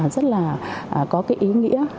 rất là có cái ý nghĩa